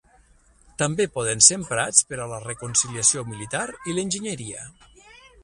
També poden ser emprats per a la reconciliació militar i l'enginyeria.